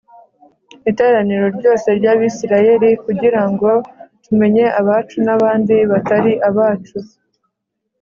iteraniro ryose ry Abisirayeli kugirango tumenye abacu nabandi batari abacu